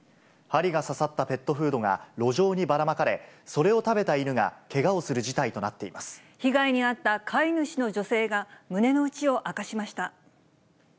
針が刺さったペットフードが路上にばらまかれ、それを食べた犬がけがをする事態となっていま被害に遭った飼い主の女性が、胸の内を明かしました。